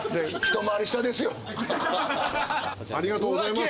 ありがとうございます。